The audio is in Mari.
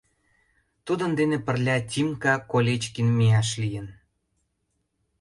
Тудын дене пырля Тимка Колечкин мияш лийын.